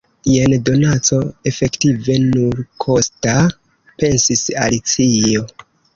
"Jen donaco efektive nulkosta!" pensis Alicio.